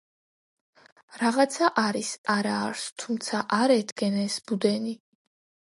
რაცაღა არის, არა არს, თუმცა არ ედგნეს ბუდენი.